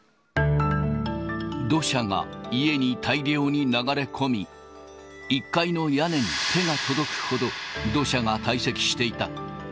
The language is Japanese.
土砂が家に大量に流れ込み、１階の屋根に手が届くほど、土砂が堆積していた。